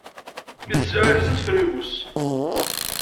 Mi tesla i lḥess ad tefriwes.